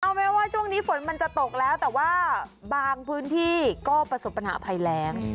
เอาแม้ว่าช่วงนี้ฝนมันจะตกแล้วแต่ว่าบางพื้นที่ก็ประสบปัญหาภัยแรง